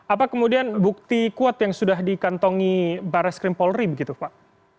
apa kemudian bukti kuat yang sudah dikantongi baris krim polri begitu pak